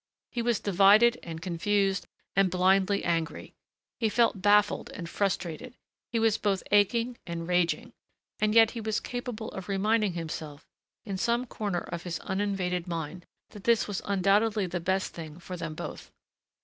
He was divided and confused and blindly angry. He felt baffled and frustrated. He was both aching and raging. And yet he was capable of reminding himself, in some corner of his uninvaded mind, that this was undoubtedly the best thing for them both.